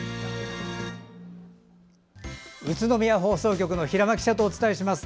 宇都宮放送局の平間記者とお伝えします。